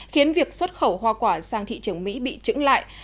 khiến việc xuất khẩu hoa quả sang thị trường mỹ bị trứng lại